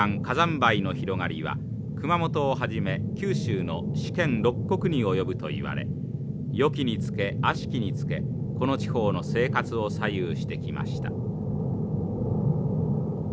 灰の広がりは熊本をはじめ九州の四県六国に及ぶといわれよきにつけあしきにつけこの地方の生活を左右してきました。